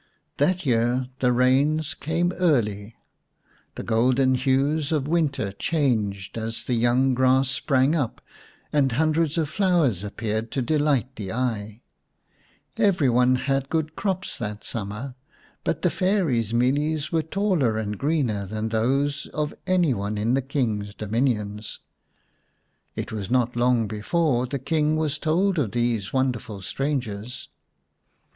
That year the rains came early. The golden hues of winter changed as the young grass sprang up, and hundreds of flowers appeared to delight the eye. Every one had good crops that summer, but the Fairy's mealies were taller and greener than those of any one in the King's dominions. It was not long before the King was told of these wonderful strangers.